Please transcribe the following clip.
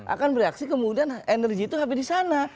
akan bereaksi kemudian energi itu habis di sana